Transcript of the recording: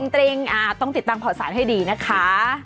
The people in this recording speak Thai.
จริงต้องติดตามข่าวสารให้ดีนะคะ